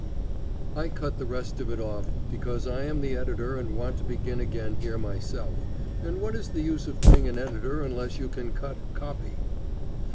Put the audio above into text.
] I cut the rest of it off, because I am the editor and want to begin again here myself, and what is the use of being an editor unless you can cut "copy"?